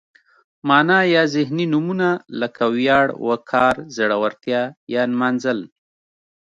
معنا یا ذهني نومونه لکه ویاړ، وقار، زړورتیا یا نمانځل.